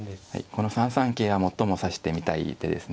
この３三桂は最も指してみたいいい手ですね。